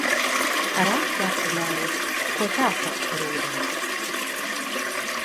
Ar ārsti aprunājos, ko tā saka par ūdeni.